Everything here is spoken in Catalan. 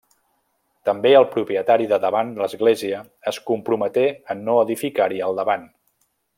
També el propietari de davant l'església es comprometé a no edificar-hi al davant.